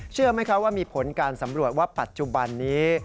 เชื่อไหมครับว่ามีผลการสำรวจว่าปัจจุบันนี้